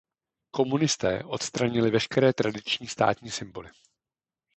Komunisté odstranili veškeré tradiční státní symboly.